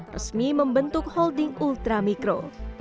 resmi membentuk holding ultramikro